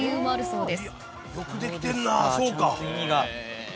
そうか。